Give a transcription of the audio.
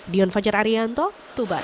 dion fajar arianto tuban